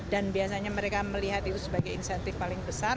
dan biasanya mereka melihat itu sebagai insentif paling besar